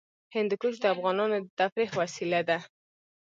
هندوکش د افغانانو د تفریح وسیله ده.